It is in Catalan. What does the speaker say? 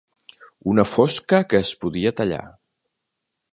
Una fosca que es podia tallar.